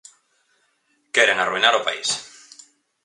Queren arruinar o país!